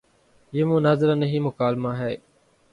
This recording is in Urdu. یہ مناظرہ نہیں، مکالمہ ہے۔